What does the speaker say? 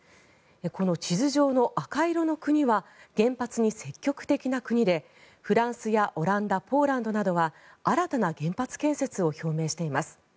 この地図上の赤色の国は原発に積極的な国でフランスやオランダポーランドなどは新たな原発建設を表明しています。